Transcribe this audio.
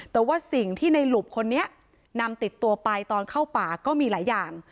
แต่ว่าสิ่งที่ในหลุบคนนี้นำติดตัวไปตอนเข้าป่าก็มีหลายอย่าง